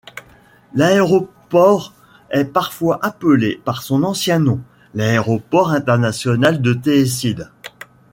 L'aéroport est parfois appelé par son ancien nom, l'aéroport international du Teesside.